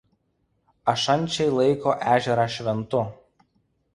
Ašančiai laiko ežerą šventu.